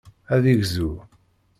Ad yegzu.